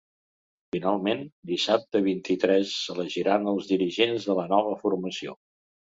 Finalment, dissabte vint-i-tres s’elegiran els dirigents de la nova formació.